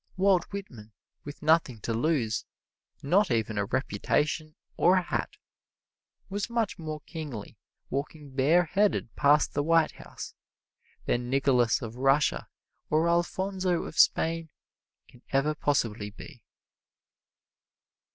Walt Whitman, with nothing to lose not even a reputation or a hat was much more kingly walking bareheaded past the White House than Nicholas of Russia or Alfonso of Spain can ever possibly be.